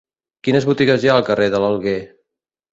Quines botigues hi ha al carrer de l'Alguer?